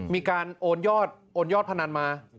มีการโอนยอดพันนั้นมา